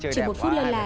chỉ một phút lần là